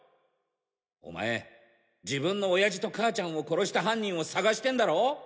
お前自分の親父と母ちゃんを殺した犯人を捜してんだろ？